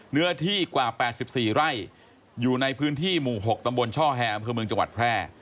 เนื้อที่กว่า๘๔ไร่อยู่ในพื้นที่หมู่๖ตำบลช่อแฮอำเภอเมืองจังหวัดแพร่